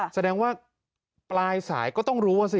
แสดงว่าปลายสายก็ต้องรู้อ่ะสิ